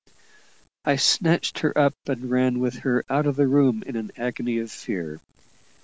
I snatched her up and ran with her out of the room, in an agony of fear.